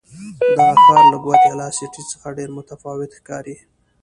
دغه ښار له ګواتیلا سیټي څخه ډېر متفاوت ښکاري.